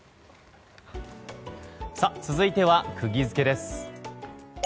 続いてはクギヅケです。